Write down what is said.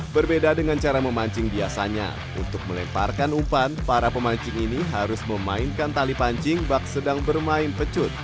berbeda dengan cara memancing biasanya untuk melemparkan umpan para pemancing ini harus memainkan tali pancing bak sedang bermain pecut